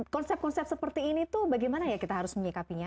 konsep konsep seperti ini bagaimana kita harus menyikapinya